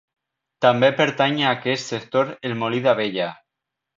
També pertany a aquest sector el Molí d'Abella.